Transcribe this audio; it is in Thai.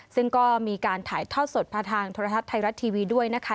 ซึ่งก็มีการถ่ายทอดสดผ่านทางโทรทัศน์ไทยรัฐทีวีด้วยนะคะ